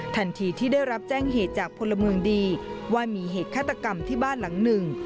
ทันทีที่ได้รับแจ้งเหตุจากพลเมืองดีว่ามีเหตุฆาตกรรมที่บ้านหลังหนึ่ง